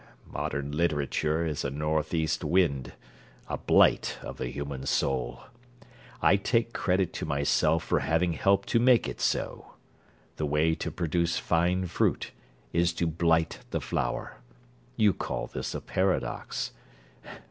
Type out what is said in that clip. Modern literature is a north east wind a blight of the human soul. I take credit to myself for having helped to make it so. The way to produce fine fruit is to blight the flower. You call this a paradox.